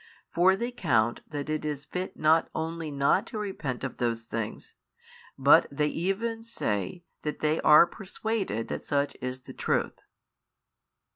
For they count that it is fit not only not to repent of those things, but they even say that they are persuaded that such is the truth.........